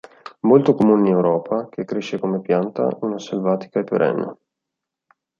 Molto comune in Europa, che cresce come pianta una selvatica e perenne.